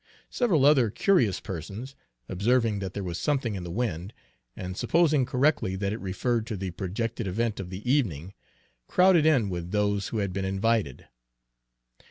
Several other curious persons, observing that there was something in the wind, and supposing correctly that it referred to the projected event of the evening, crowded in with those who had been invited.